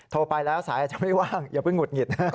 โทรไปแล้วสายอาจจะไม่ว่างอย่าเพิ่งหุดหงิดนะ